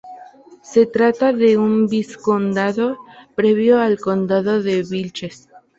Se trata de un vizcondado previo al condado de Vilches.